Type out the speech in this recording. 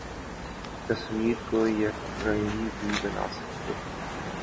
تصویر کو یک رنگی بھی بنا سکتے